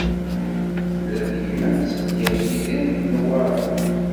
Tella tegmat ger Yidir d Newwara.